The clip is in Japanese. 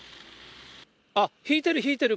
あっ、引いてる、引いてる。